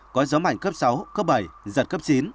có gió mạnh cấp sáu cấp bảy giật cấp chín